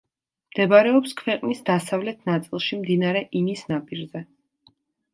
მდებარეობს ქვეყნის დასავლეთ ნაწილში მდინარე ინის ნაპირზე.